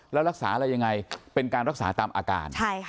แล้วรักษาอะไรยังไงเป็นการรักษาตามอาการ